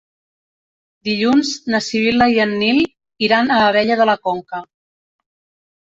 Dilluns na Sibil·la i en Nil iran a Abella de la Conca.